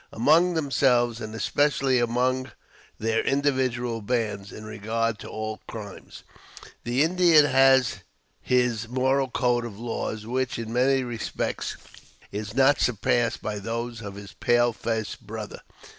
Among themselves, and especially among their individual bands, in regard to all crimes, the Indian has his moral code of laws which, in many respects, is not surpassed by those of his pale faced brother.